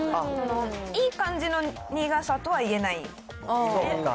いい感じの苦さとは言えないですね。